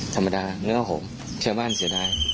ธรรมดาเนื้อห่มเชื้อบ้านเสียดาย